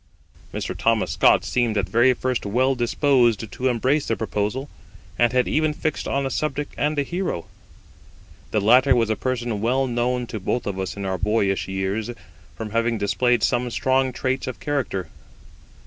Mr. Thomas Scott seemed at first very well disposed to embrace the proposal, and had even fixed on a subject and a hero. The latter was a person well known to both of us in our boyish years, from having displayed some strong traits of character.